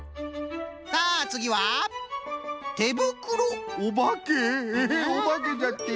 さあつぎはおばけだって。